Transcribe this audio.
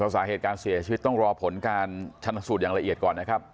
สาเหตุการเสียชีวิตต้องรอผลการชนสูตรอย่างละเอียดก่อนนะครับ